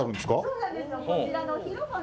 そうなんですよ。